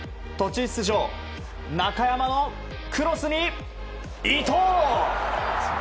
途中出場、中山のクロスに伊東！